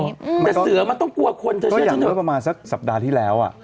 แต่เสือมันต้องกลัวคนเธอเชื่อจริงหรือก็อย่างนั้นประมาณสักสัปดาห์ที่แล้วอะ